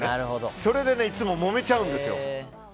それでいつももめちゃうんですよ。